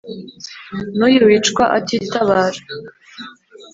n’uyu wicwa atitabara ‘